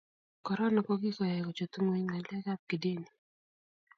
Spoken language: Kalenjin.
korona ko kikoai kochut nyweny ngalek ab kidini